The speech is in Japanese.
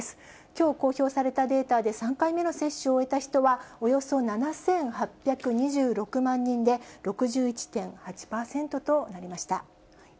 きょう公表されたデータで、３回目の接種を終えた人はおよそ７８２６万人で、６１．８％となりました。